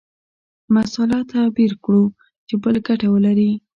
مسأله تعبیر کړو چې بل ګټه ولري.